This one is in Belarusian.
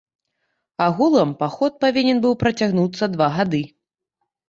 Агулам паход павінен быў працягнуцца два гады.